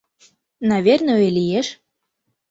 — Наверное, лиеш.